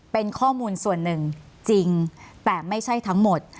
เป็นข้อมูลส่วนหนึ่งจริงแต่ไม่ใช่ทั้งหมด